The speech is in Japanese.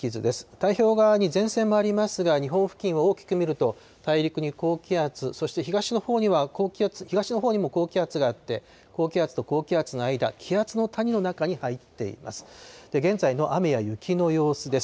太平洋側に前線もありますが、日本付近を大きく見ると、大陸に高気圧、そして東のほうにも高気圧があって、高気圧と高気圧の間、気圧の谷の中に入っています。